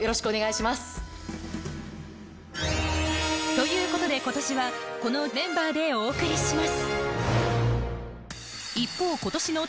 ということで今年はこのメンバーでお送りします一方こちらです！